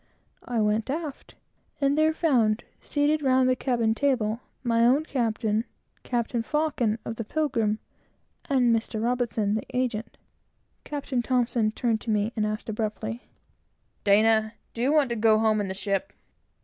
I went aft, and there found, seated round the cabin table, my own captain, Captain Faucon of the Pilgrim, and Mr. R , the agent. Captain T turned to me and asked abruptly "D , do you want to go home in the ship?"